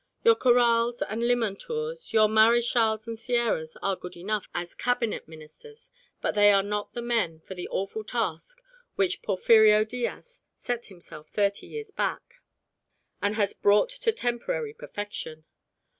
Your Corrals and Limantours, your Marischals and Sierras are good enough as Cabinet Ministers, but they are not the men for the awful task which Porfirio Diaz set himself thirty years back and has brought to temporary perfection.